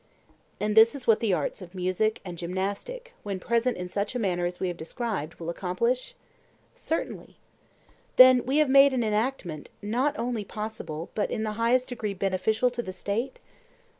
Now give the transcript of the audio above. And this is what the arts of music and gymnastic, when present in such manner as we have described, will accomplish? Certainly. Then we have made an enactment not only possible but in the highest degree beneficial to the State?